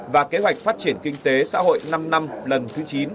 và kế hoạch phát triển kinh tế xã hội năm năm lần thứ chín